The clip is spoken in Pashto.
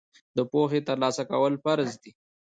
د پوهې ترلاسه کول فرض دي.